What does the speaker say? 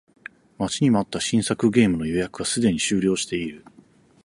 待ちに待った新作ゲームの予約がすでに終了している